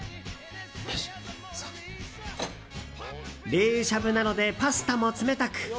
冷しゃぶなのでパスタも冷たく。